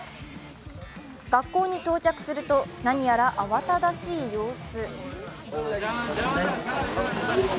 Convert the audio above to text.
学校に到着すると何やら慌ただしい様子。